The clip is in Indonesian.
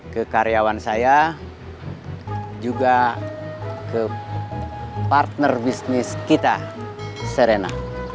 ke karyawan saya juga ke partner bisnis kita serena